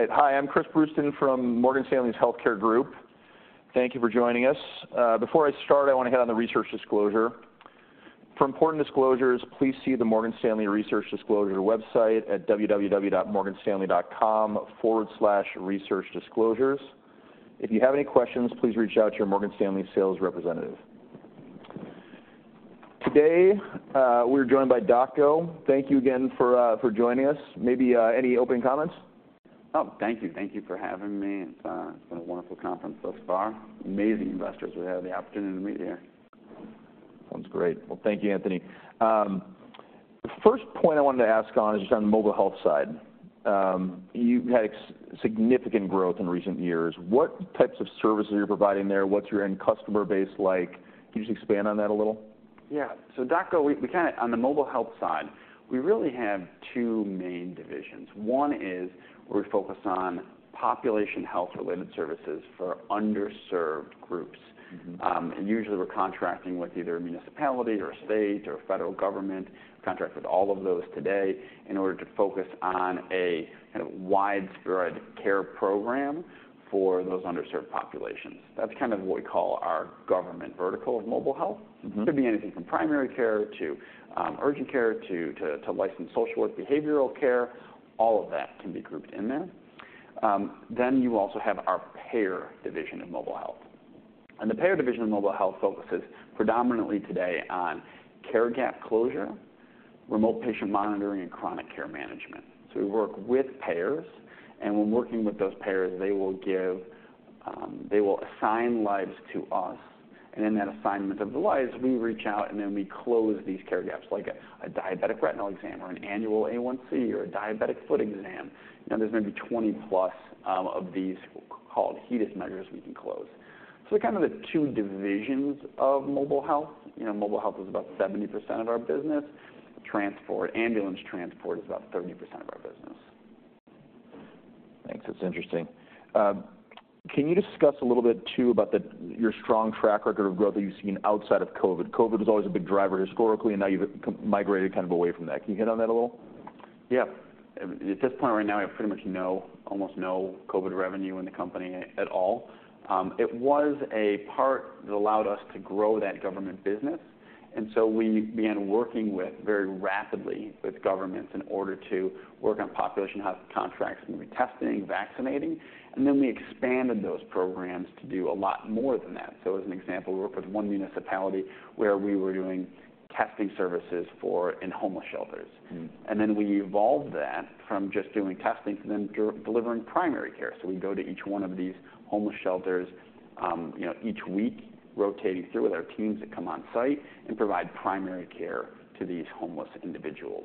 All right. Hi, I'm Chris Brustuen from Morgan Stanley's Healthcare Group. Thank you for joining us. Before I start, I wanna hit on the research disclosure. For important disclosures, please see the Morgan Stanley Research Disclosure website at www.morganstanley.com/researchdisclosures. If you have any questions, please reach out to your Morgan Stanley sales representative. Today, we're joined by DocGo. Thank you again for joining us. Maybe, any opening comments? Oh, thank you. Thank you for having me. It's, it's been a wonderful conference so far. Amazing investors we have the opportunity to meet here. Sounds great. Well, thank you, Anthony. The first point I wanted to ask on is just on the mobile health side. You've had significant growth in recent years. What types of services are you providing there? What's your end customer base like? Can you just expand on that a little? Yeah. So at DocGo, we kinda, on the mobile health side, we really have two main divisions. One is where we focus on population health-related services for underserved groups. Usually, we're contracting with either a municipality or a state or federal government. Contract with all of those today, in order to focus on a kind of widespread care program for those underserved populations. That's kind of what we call our government vertical of mobile health. Could be anything from primary care to urgent care to licensed social work, behavioral care, all of that can be grouped in there. You also have our payer division in mobile health, and the payer division in mobile health focuses predominantly today on care gap closure, remote patient monitoring, and chronic care management. We work with payers, and when working with those payers, they will assign lives to us, and in that assignment of the lives, we reach out, and then we close these care gaps, like a diabetic retinal exam or an annual A1C or a diabetic foot exam. Now, there's maybe 20+ of these called HEDIS measures we can close. They're kind of the two divisions of mobile health. You know, mobile health is about 70% of our business. Transport, ambulance transport is about 30% of our business. Thanks. That's interesting. Can you discuss a little bit, too, about the, your strong track record of growth that you've seen outside of COVID? COVID was always a big driver historically, and now you've migrated kind of away from that. Can you hit on that a little? Yeah. At this point, right now, we have pretty much no, almost no COVID revenue in the company at all. It was a part that allowed us to grow that government business, and so we began working with, very rapidly, with governments in order to work on population health contracts, and we were testing, vaccinating, and then we expanded those programs to do a lot more than that. So as an example, we worked with one municipality where we were doing testing services for, in homeless shelters. And then we evolved that from just doing testing to then delivering primary care. So we'd go to each one of these homeless shelters, you know, each week, rotating through with our teams that come on site and provide primary care to these homeless individuals.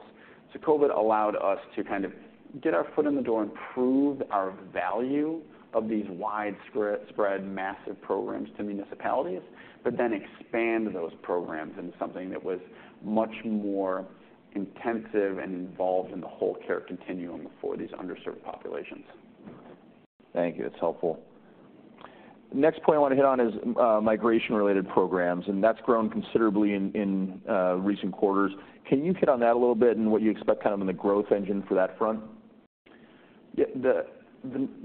So COVID allowed us to kind of get our foot in the door and prove our value of these widespread massive programs to municipalities, but then expand those programs into something that was much more intensive and involved in the whole care continuum for these underserved populations. Thank you. That's helpful. Next point I wanna hit on is migration-related programs, and that's grown considerably in recent quarters. Can you hit on that a little bit and what you expect kind of in the growth engine for that front? Yeah.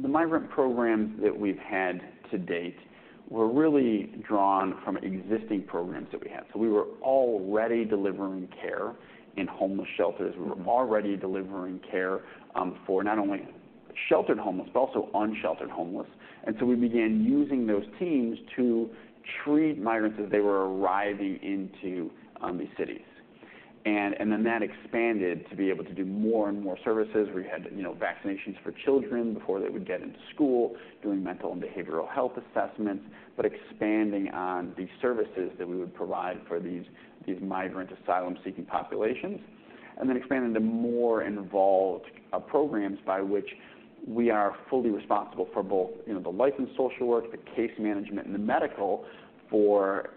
The migrant programs that we've had to date were really drawn from existing programs that we had. So we were already delivering care in homeless shelters. We were already delivering care for not only sheltered homeless, but also unsheltered homeless, and so we began using those teams to treat migrants as they were arriving into these cities. And then that expanded to be able to do more and more services. We had, you know, vaccinations for children before they would get into school, doing mental and behavioral health assessments, but expanding on the services that we would provide for these migrant asylum-seeking populations, and then expanding the more involved programs by which we are fully responsible for both, you know, the licensed social work, the case management, and the medical for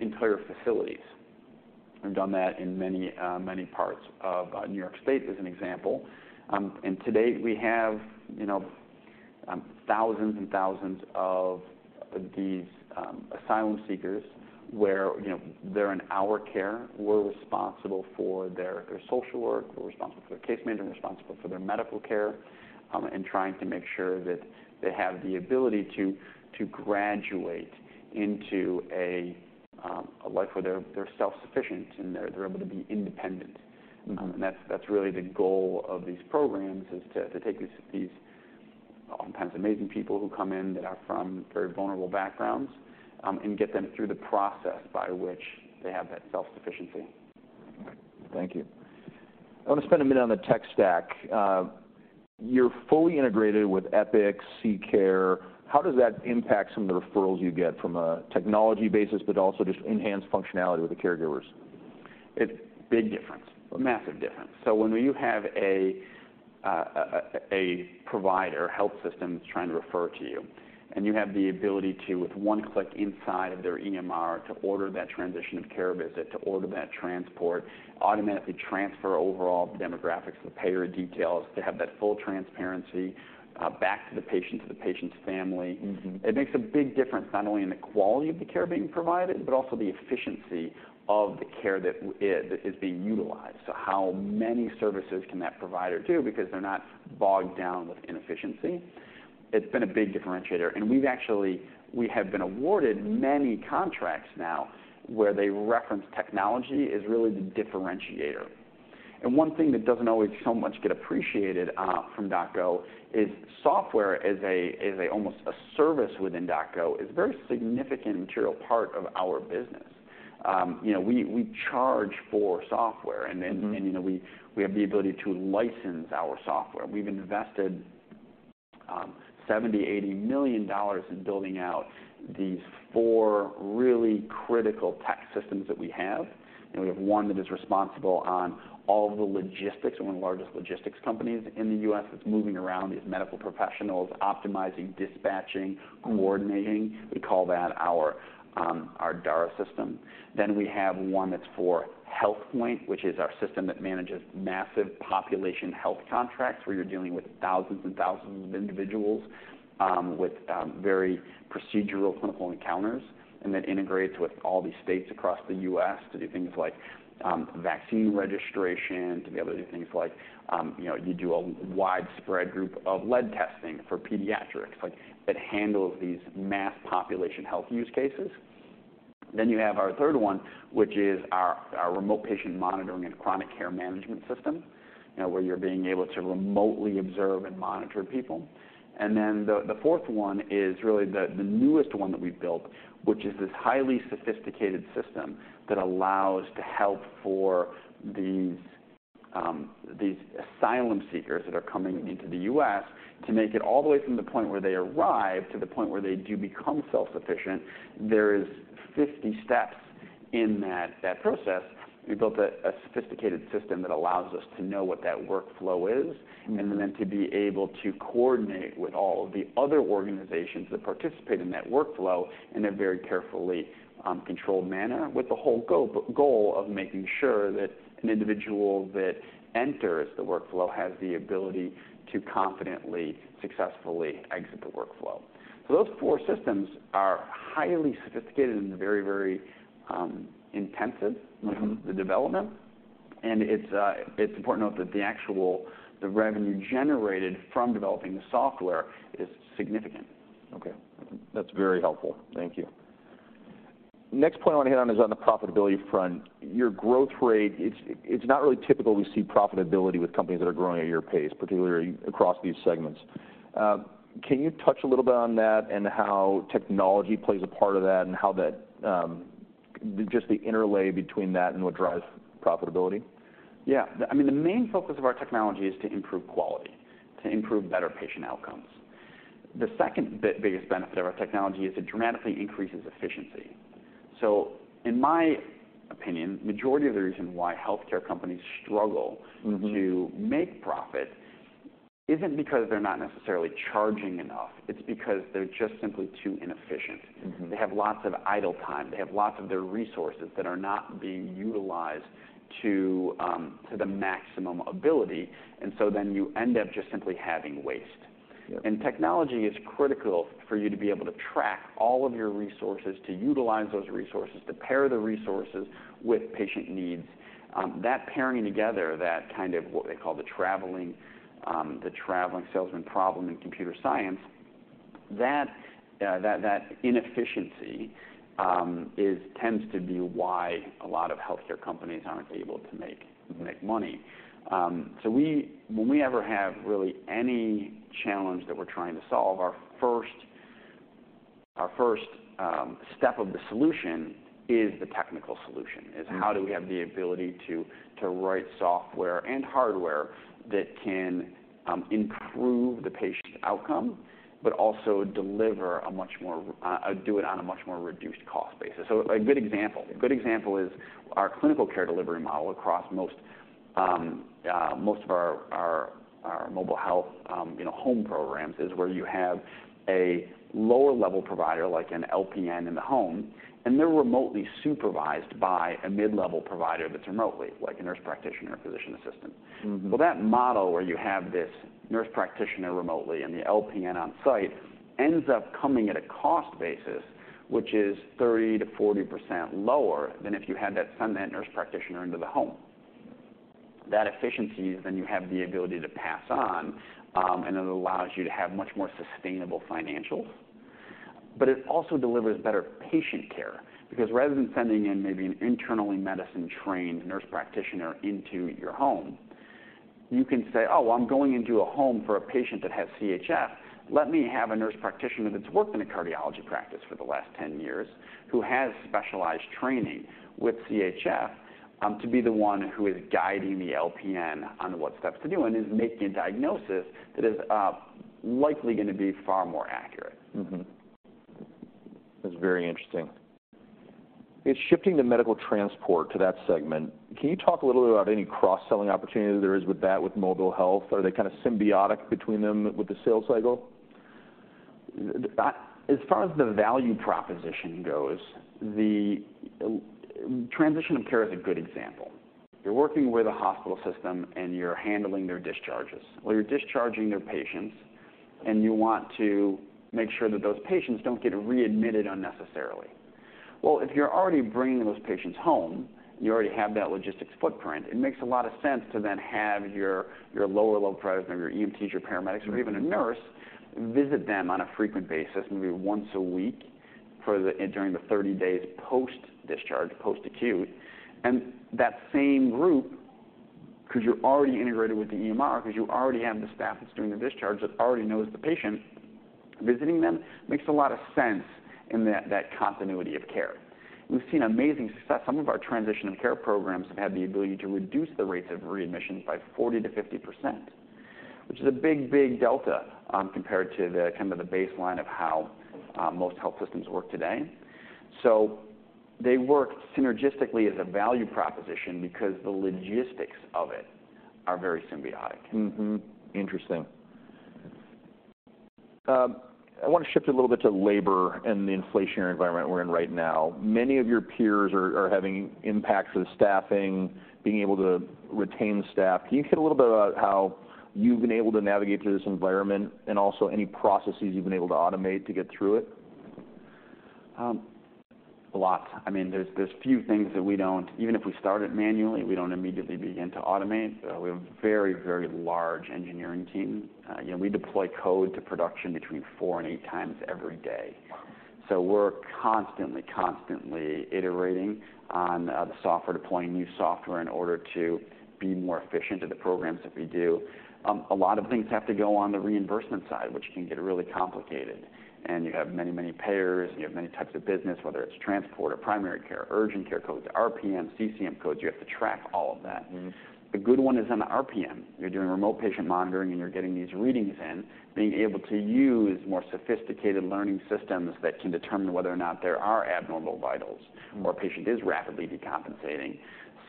entire facilities. We've done that in many parts of New York State, as an example. And to date, we have, you know, thousands and thousands of these asylum seekers where, you know, they're in our care. We're responsible for their social work, we're responsible for their case management, we're responsible for their medical care, and trying to make sure that they have the ability to graduate into a life where they're self-sufficient and they're able to be independent. That's really the goal of these programs is to take these oftentimes amazing people who come in that are from very vulnerable backgrounds, and get them through the process by which they have that self-sufficiency. Thank you. I wanna spend a minute on the tech stack. You're fully integrated with Epic, EpicCare. How does that impact some of the referrals you get from a technology basis, but also just enhanced functionality with the caregivers? It's big difference, a massive difference. So when you have a provider, health system that's trying to refer to you, and you have the ability to, with one click inside of their EMR, to order that transition of care visit, to order that transport, automatically transfer over all the demographics, the payer details, to have that full transparency back to the patient, to the patient's family- It makes a big difference, not only in the quality of the care being provided, but also the efficiency of the care that is being utilized. So how many services can that provider do because they're not bogged down with inefficiency? It's been a big differentiator, and we've actually, we have been awarded many contracts now, where they reference technology as really the differentiator. And one thing that doesn't always so much get appreciated from DocGo is software as a, as almost a service within DocGo, is a very significant material part of our business. You know, we, we charge for software, and then- You know, we have the ability to license our software. We've invested $70-$80 million in building out these four really critical tech systems that we have. We have one that is responsible on all of the logistics, one of the largest logistics companies in the U.S., that's moving around these medical professionals, optimizing, dispatching, coordinating. We call that our DAR system. Then we have one that's for HealthPoint, which is our system that manages massive population health contracts, where you're dealing with thousands and thousands of individuals, with very procedural clinical encounters, and that integrates with all the states across the U.S. to do things like vaccine registration, to be able to do things like, you know, you do a widespread group of lead testing for pediatrics, like that handles these mass population health use cases. Then you have our third one, which is our remote patient monitoring and chronic care management system, you know, where you're being able to remotely observe and monitor people. Then the fourth one is really the newest one that we've built, which is this highly sophisticated system that allows to help for these asylum seekers that are coming into the US. To make it all the way from the point where they arrive, to the point where they do become self-sufficient, there is 50 steps in that process. We built a sophisticated system that allows us to know what that workflow is- and then to be able to coordinate with all of the other organizations that participate in that workflow in a very carefully controlled manner, with the whole goal of making sure that an individual that enters the workflow has the ability to confidently, successfully exit the workflow. So those four systems are highly sophisticated and very, very intensive-the development, and it's, it's important to note that the actual, the revenue generated from developing the software is significant. Okay. That's very helpful. Thank you. Next point I want to hit on is on the profitability front. Your growth rate, it's not really typical we see profitability with companies that are growing at your pace, particularly across these segments. Can you touch a little bit on that and how technology plays a part of that, and how that just the interplay between that and what drives profitability? Yeah. I mean, the main focus of our technology is to improve quality, to improve better patient outcomes. The second bit, biggest benefit of our technology is it dramatically increases efficiency. So in my opinion, the majority of the reason why healthcare companies struggle to make profit isn't because they're not necessarily charging enough, it's because they're just simply too inefficient. They have lots of idle time. They have lots of their resources that are not being utilized to the maximum ability, and so then you end up just simply having waste. Yep. Technology is critical for you to be able to track all of your resources, to utilize those resources, to pair the resources with patient needs. That pairing together, that kind of what they call the traveling salesman problem in computer science, that inefficiency tends to be why a lot of healthcare companies aren't able to make money. So we, when we ever have really any challenge that we're trying to solve, our first step of the solution is the technical solution-... is how do we have the ability to write software and hardware that can improve the patient outcome, but also deliver a much more, do it on a much more reduced cost basis? So a good example, a good example is our clinical care delivery model across most most of our mobile health, you know, home programs, is where you have a lower level provider, like an LPN in the home, and they're remotely supervised by a mid-level provider that's remotely, like a nurse practitioner, or physician assistant. Well, that model where you have this nurse practitioner remotely and the LPN on site, ends up coming at a cost basis, which is 30%-40% lower than if you had that, send that nurse practitioner into the home. That efficiency, then you have the ability to pass on, and it allows you to have much more sustainable financials. But it also delivers better patient care, because rather than sending in maybe an internal medicine-trained nurse practitioner into your home, you can say, "Oh, well, I'm going into a home for a patient that has CHF. Let me have a nurse practitioner that's worked in a cardiology practice for the last 10 years, who has specialized training with CHF, to be the one who is guiding the LPN on what steps to do, and is making a diagnosis that is likely gonna be far more accurate. Mm-hmm. That's very interesting. It's shifting the medical transport to that segment. Can you talk a little bit about any cross-selling opportunities there is with that, with mobile health? Are they kind of symbiotic between them with the sales cycle? As far as the value proposition goes, the transition of care is a good example. You're working with a hospital system, and you're handling their discharges, or you're discharging their patients, and you want to make sure that those patients don't get readmitted unnecessarily. Well, if you're already bringing those patients home, you already have that logistics footprint, it makes a lot of sense to then have your, your lower low price, or your EMTs, your paramedics, or even a nurse, visit them on a frequent basis, maybe once a week, during the 30 days post-discharge, post-acute. And that same group, 'cause you're already integrated with the EMR, 'cause you already have the staff that's doing the discharge, that already knows the patient, visiting them, makes a lot of sense in that, that continuity of care. We've seen amazing success. Some of our Transition of Care programs have had the ability to reduce the rates of readmissions by 40%-50%, which is a big, big delta, compared to the kind of the baseline of how most health systems work today. So they work synergistically as a value proposition because the logistics of it are very symbiotic. Mm-hmm. Interesting. I wanna shift a little bit to labor and the inflationary environment we're in right now. Many of your peers are having impacts with staffing, being able to retain staff. Can you talk a little bit about how you've been able to navigate through this environment, and also any processes you've been able to automate to get through it? A lot. I mean, there are few things that we don't, even if we start it manually, we don't immediately begin to automate. We have a very, very large engineering team. You know, we deploy code to production between 4-8 times every day. Wow! So we're constantly, constantly iterating on, the software, deploying new software in order to be more efficient to the programs that we do. A lot of things have to go on the reimbursement side, which can get really complicated, and you have many, many payers, and you have many types of business, whether it's transport or primary care, urgent care codes, RPM, CCM codes, you have to track all of that. A good one is on the RPM. You're doing remote patient monitoring, and you're getting these readings in. Being able to use more sophisticated learning systems that can determine whether or not there are abnormal vitals-... or a patient is rapidly decompensating,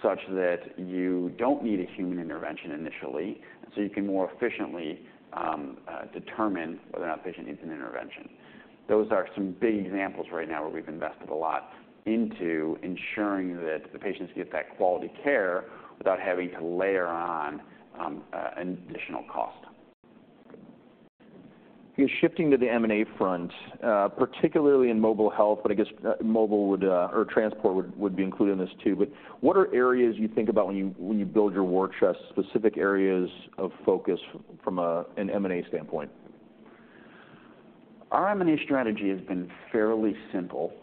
such that you don't need a human intervention initially, so you can more efficiently determine whether or not a patient needs an intervention. Those are some big examples right now, where we've invested a lot into ensuring that the patients get that quality care without having to layer on an additional cost. Shifting to the M&A front, particularly in mobile health, but I guess, mobile would, or transport would be included in this, too. But what are areas you think about when you build your war chest, specific areas of focus from an M&A standpoint? Our M&A strategy has been fairly simple,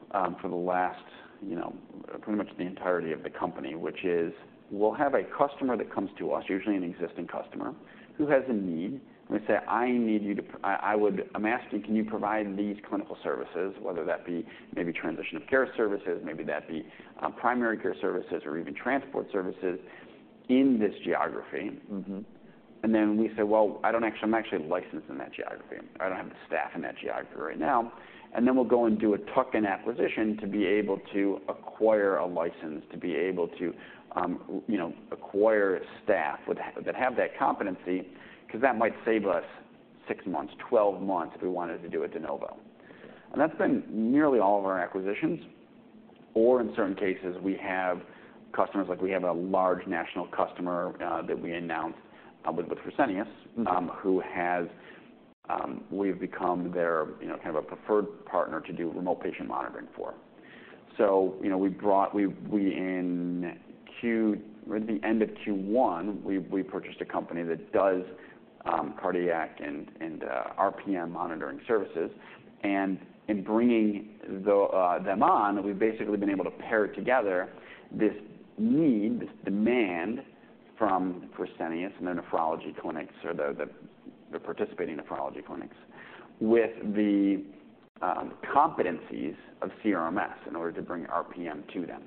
for the last, you know, pretty much the entirety of the company, which is, we'll have a customer that comes to us, usually an existing customer, who has a need, and they say: "I need you to, I'm asking, can you provide these clinical services?" Whether that be maybe transition of care services, maybe that be primary care services, or even transport services in this geography. And then we say, "Well, I'm actually licensed in that geography. I don't have the staff in that geography right now." And then we'll go and do a tuck-in acquisition to be able to acquire a license, to be able to, you know, acquire staff that have that competency, 'cause that might save us 6 months, 12 months, if we wanted to do it de novo. And that's been nearly all of our acquisitions, or in certain cases, we have customers, like we have a large national customer that we announced publicly with Fresenius-... who has, we've become their, you know, kind of a preferred partner to do remote patient monitoring for. So, you know, at the end of Q1, we purchased a company that does cardiac and RPM monitoring services. And in bringing them on, we've basically been able to pair together this need, this demand from Fresenius and their nephrology clinics or the participating nephrology clinics, with the competencies of Cardiac RMS in order to bring RPM to them.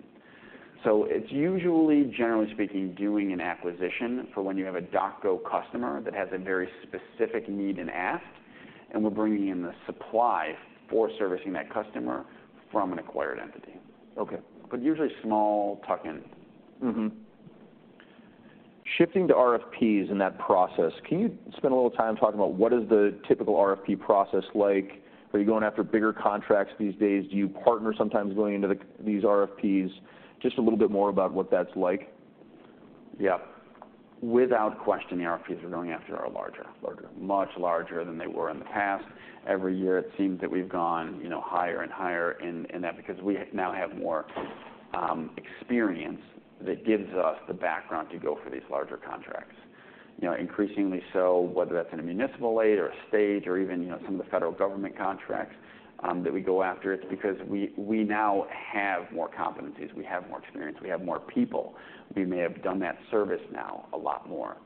So it's usually, generally speaking, doing an acquisition for when you have a DocGo customer that has a very specific need and ask, and we're bringing in the supply for servicing that customer from an acquired entity. Okay. But usually small tuck-in. Mm-hmm. Shifting to RFPs and that process, can you spend a little time talking about what is the typical RFP process like? Are you going after bigger contracts these days? Do you partner sometimes going into the, these RFPs? Just a little bit more about what that's like. Yeah. Without question, the RFPs we're going after are larger- Larger... much larger than they were in the past. Every year, it seems that we've gone, you know, higher and higher in that, because we now have more experience that gives us the background to go for these larger contracts. You know, increasingly so, whether that's in a municipal level or a state or even, you know, some of the federal government contracts that we go after, it's because we now have more competencies, we have more experience, we have more people. We may have done that service now a lot more.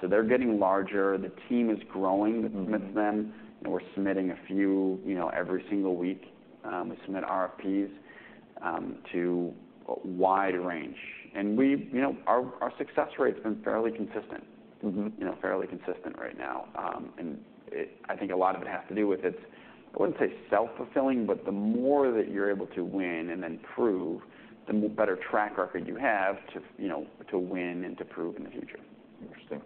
So they're getting larger. The team is growing that submits them, and we're submitting a few, you know, every single week. We submit RFPs to a wide range. You know, our success rate's been fairly consistent. You know, fairly consistent right now. And it, I think a lot of it has to do with it's. I wouldn't say self-fulfilling, but the more that you're able to win and then prove, the better track record you have to, you know, to win and to prove in the future. Interesting.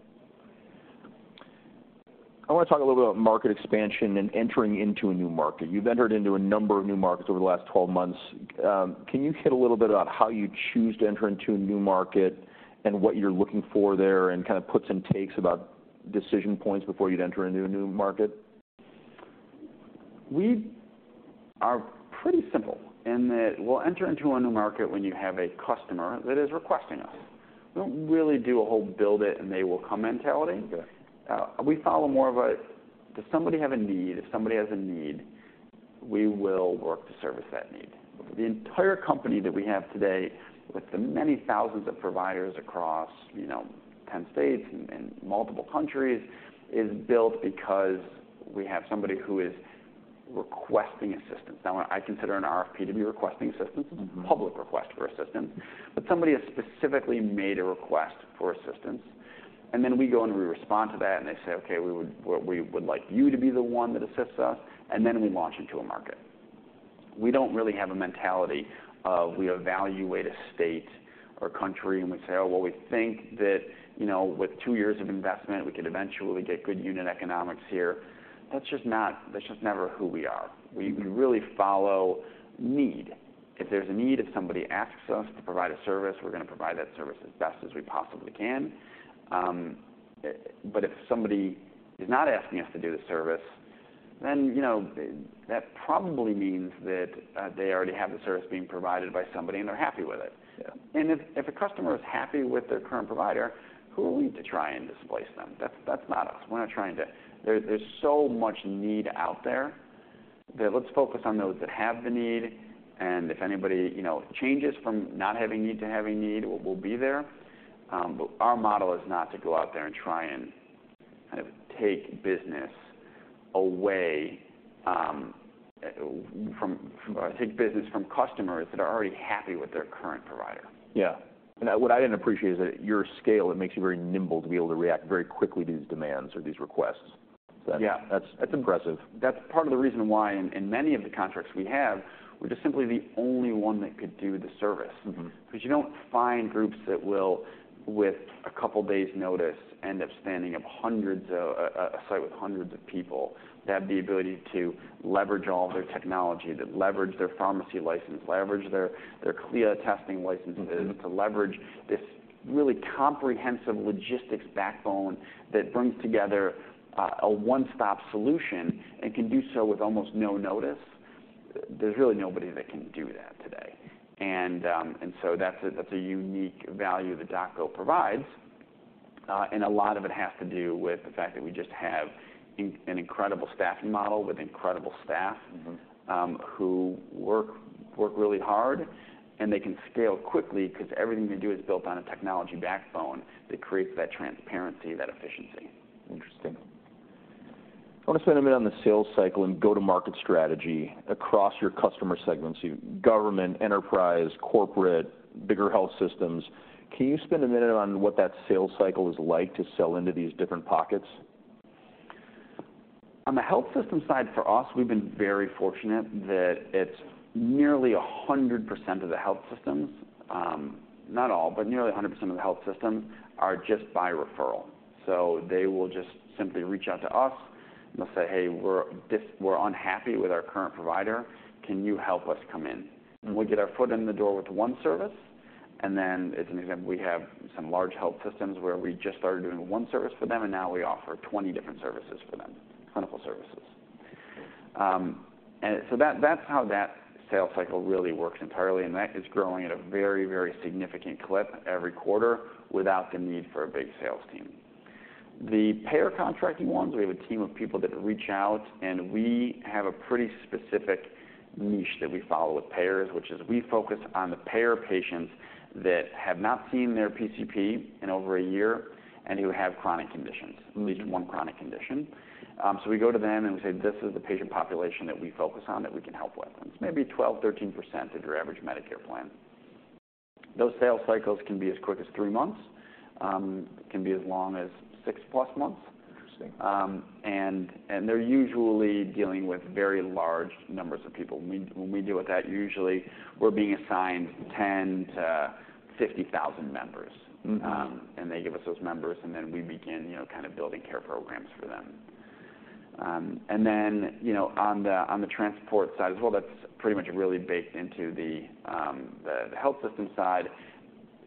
I wanna talk a little bit about market expansion and entering into a new market. You've entered into a number of new markets over the last 12 months. Can you hit a little bit about how you choose to enter into a new market and what you're looking for there, and kind of puts and takes about decision points before you'd enter into a new market?... we are pretty simple in that we'll enter into a new market when you have a customer that is requesting us. We don't really do a whole build it, and they will come mentality. Okay. We follow more of a, does somebody have a need? If somebody has a need, we will work to service that need. The entire company that we have today, with the many thousands of providers across, you know, 10 states and multiple countries, is built because we have somebody who is requesting assistance. Now, I consider an RFP to be requesting assistance- Non-public request for assistance, but somebody has specifically made a request for assistance, and then we go and we respond to that, and they say: "Okay, we would, we would like you to be the one that assists us," and then we launch into a market. We don't really have a mentality of we evaluate a state or country, and we say: "Oh, well, we think that, you know, with two years of investment, we could eventually get good unit economics here." That's just not. That's just never who we are. We really follow need. If there's a need, if somebody asks us to provide a service, we're gonna provide that service as best as we possibly can. But if somebody is not asking us to do the service, then, you know, that probably means that they already have the service being provided by somebody, and they're happy with it. Yeah. If a customer is happy with their current provider, who are we to try and displace them? That's not us. We're not trying to... There's so much need out there that let's focus on those that have the need, and if anybody, you know, changes from not having need to having need, we'll be there. But our model is not to go out there and try and kind of take business away from customers that are already happy with their current provider. Yeah. What I didn't appreciate is that your scale, it makes you very nimble to be able to react very quickly to these demands or these requests. Yeah. So that's, that's impressive. That's part of the reason why in many of the contracts we have, we're just simply the only one that could do the service. 'Cause you don't find groups that will, with a couple of days' notice, end up standing up hundreds of, a site with hundreds of people. To have the ability to leverage all their technology, to leverage their pharmacy license, leverage their CLIA testing licenses-... to leverage this really comprehensive logistics backbone that brings together, a one-stop solution and can do so with almost no notice, there's really nobody that can do that today. And so that's a unique value that DocGo provides, and a lot of it has to do with the fact that we just have an incredible staffing model with incredible staff-... who work really hard, and they can scale quickly 'cause everything they do is built on a technology backbone that creates that transparency, that efficiency. Interesting. I want to spend a minute on the sales cycle and go-to-market strategy across your customer segments, your government, enterprise, corporate, bigger health systems. Can you spend a minute on what that sales cycle is like to sell into these different pockets? On the health system side, for us, we've been very fortunate that it's nearly 100% of the health systems, not all, but nearly 100% of the health systems are just by referral. So they will just simply reach out to us, and they'll say: "Hey, we're unhappy with our current provider. Can you help us come in? We get our foot in the door with one service, and then, as an example, we have some large health systems where we just started doing one service for them, and now we offer 20 different services for them, clinical services. And so that, that's how that sales cycle really works entirely, and that is growing at a very, very significant clip every quarter without the need for a big sales team. The payer contracting ones, we have a team of people that reach out, and we have a pretty specific niche that we follow with payers, which is we focus on the payer patients that have not seen their PCP in over a year and who have chronic conditions-... at least one chronic condition. So we go to them and we say, "This is the patient population that we focus on, that we can help with." It's maybe 12%-13% of your average Medicare plan. Those sales cycles can be as quick as 3 months, can be as long as 6+ months. Interesting. They're usually dealing with very large numbers of people. When we deal with that, usually we're being assigned 10-50,000 members. And they give us those members, and then we begin, you know, kind of building care programs for them. And then, you know, on the transport side as well, that's pretty much really baked into the health system side,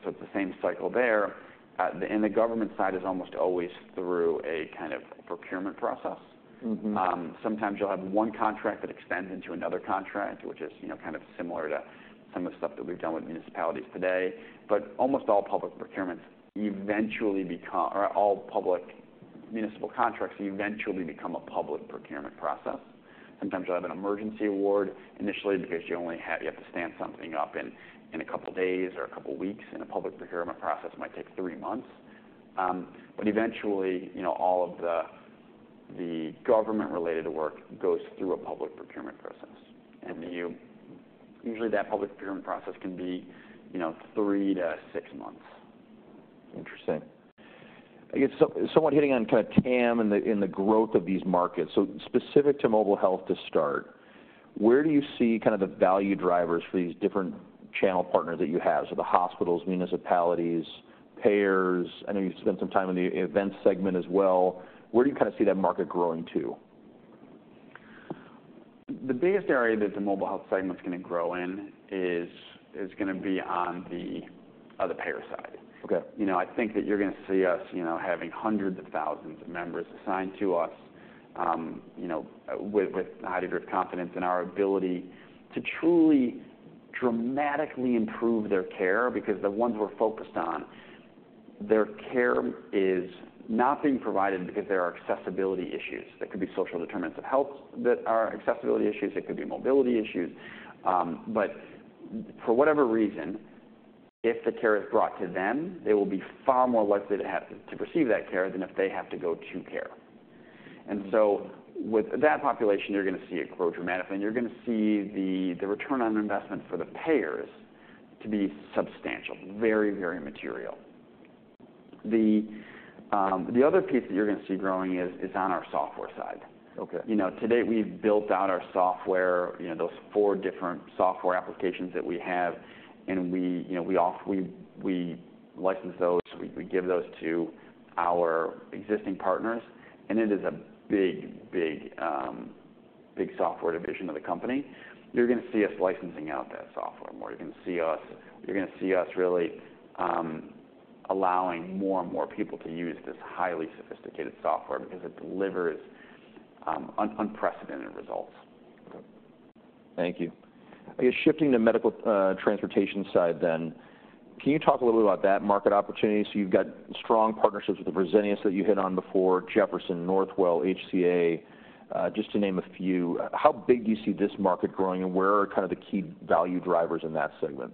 so it's the same cycle there. And the government side is almost always through a kind of procurement process. Sometimes you'll have one contract that extends into another contract, which is, you know, kind of similar to some of the stuff that we've done with municipalities today. But almost all public procurements eventually become—or all public municipal contracts eventually become a public procurement process. Sometimes you'll have an emergency award initially because you have to stand something up in a couple of days or a couple of weeks, and a public procurement process might take three months. But eventually, you know, all of the government-related work goes through a public procurement process. Usually, that public procurement process can be, you know, 3-6 months. Interesting. I guess so- somewhat hitting on kind of TAM and the, and the growth of these markets. So specific to mobile health to start, where do you see kind of the value drivers for these different channel partners that you have? So the hospitals, municipalities, payers, I know you've spent some time in the events segment as well. Where do you kind of see that market growing to? The biggest area that the mobile health segment's gonna grow in is gonna be on the payer side. Okay. You know, I think that you're gonna see us, you know, having hundreds of thousands of members assigned to us, with a high degree of confidence in our ability to truly, dramatically improve their care, because the ones we're focused on, their care is not being provided because there are accessibility issues. That could be social determinants of health that are accessibility issues, it could be mobility issues, but for whatever reason, if the care is brought to them, they will be far more likely to have to receive that care than if they have to go to care. And so with that population, you're gonna see it grow dramatically, and you're gonna see the return on investment for the payers to be substantial. Very, very material. The other piece that you're gonna see growing is on our software side. Okay. You know, today, we've built out our software, you know, those four different software applications that we have, and we, you know, we license those, we give those to our existing partners, and it is a big, big, big software division of the company. You're gonna see us licensing out that software more. You're gonna see us really allowing more and more people to use this highly sophisticated software because it delivers unprecedented results. Okay. Thank you. I guess, shifting to medical, transportation side then, can you talk a little bit about that market opportunity? So you've got strong partnerships with the Fresenius that you hit on before, Jefferson, Northwell, HCA, just to name a few. How big do you see this market growing, and where are kind of the key value drivers in that segment?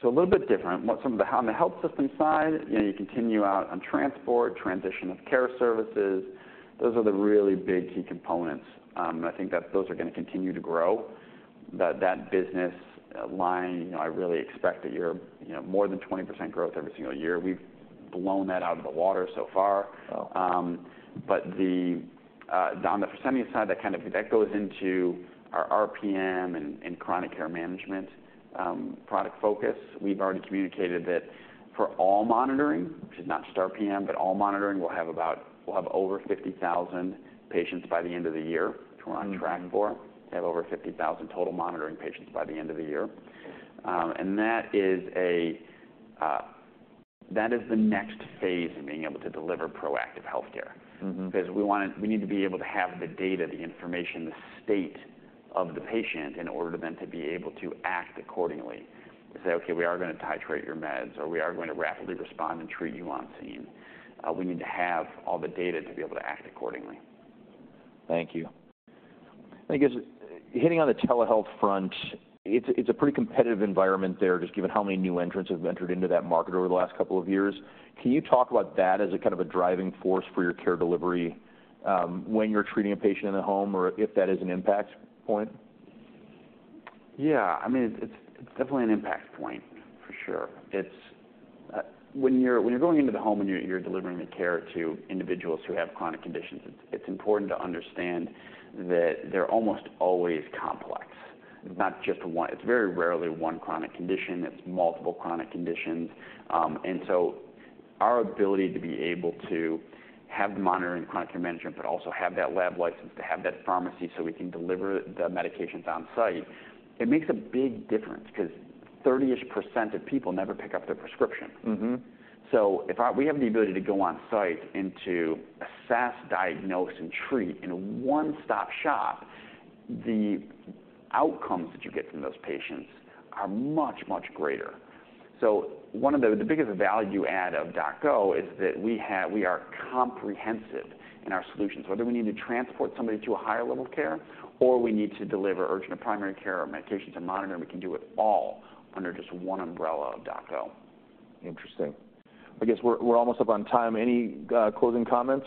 So a little bit different. On the health system side, you know, you continue out on transport, transition of care services, those are the really big key components. I think that those are gonna continue to grow. That business line, you know, I really expect a year, you know, more than 20% growth every single year. We've blown that out of the water so far. Wow! But on the Versanis side, that goes into our RPM and chronic care management product focus. We've already communicated that for all monitoring, which is not just RPM, but all monitoring, we'll have over 50,000 patients by the end of the year. Which we're on track for. We have over 50,000 total monitoring patients by the end of the year. And that is, that is the next phase in being able to deliver proactive healthcare. Because we wanna, we need to be able to have the data, the information, the state of the patient, in order then to be able to act accordingly and say, "Okay, we are gonna titrate your meds," or, "We are going to rapidly respond and treat you on scene." We need to have all the data to be able to act accordingly. Thank you. I guess, hitting on the telehealth front, it's, it's a pretty competitive environment there, just given how many new entrants have entered into that market over the last couple of years. Can you talk about that as a kind of a driving force for your care delivery, when you're treating a patient in the home or if that is an impact point? Yeah. I mean, it's, it's definitely an impact point, for sure. It's... When you're, when you're going into the home, and you're, you're delivering the care to individuals who have chronic conditions, it's, it's important to understand that they're almost always complex, not just one-- It's very rarely one chronic condition, it's multiple chronic conditions. And so our ability to be able to have the monitoring, chronic care management, but also have that lab license, to have that pharmacy, so we can deliver the medications on site, it makes a big difference, because 30-ish% of people never pick up their prescription. So if we have the ability to go on site and to assess, diagnose, and treat in a one-stop shop, the outcomes that you get from those patients are much, much greater. So one of the biggest value add of DocGo is that we are comprehensive in our solutions. Whether we need to transport somebody to a higher level of care, or we need to deliver urgent or primary care, or medications, and monitor, we can do it all under just one umbrella of DocGo. Interesting. I guess we're almost up on time. Any, closing comments?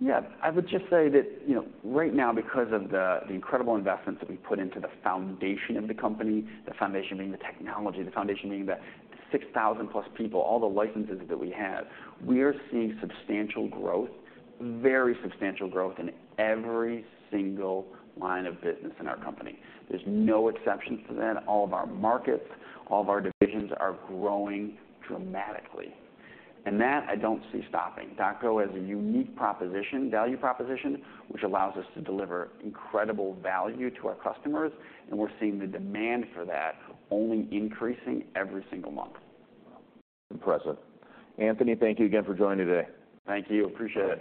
Yeah. I would just say that, you know, right now, because of the incredible investments that we've put into the foundation of the company, the foundation being the technology, the foundation being the 6,000+ people, all the licenses that we have, we are seeing substantial growth, very substantial growth in every single line of business in our company. There's no exceptions to that. All of our markets, all of our divisions are growing dramatically, and that I don't see stopping. DocGo has a unique proposition, value proposition, which allows us to deliver incredible value to our customers, and we're seeing the demand for that only increasing every single month. Wow! Impressive. Anthony, thank you again for joining today. Thank you. Appreciate it.